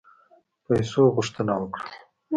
پیسو غوښتنه وکړه.